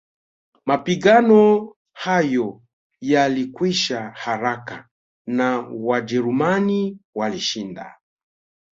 Mapigano hayo yalikwisha haraka na Wajerumani walishinda